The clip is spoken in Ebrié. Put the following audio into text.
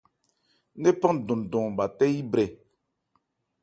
Ńnephan ndɔnndɔn bha tɛ́ yí brɛ.